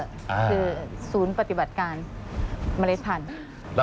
คือศูนย์ปฏิบัติการเมล็ดพันธุ์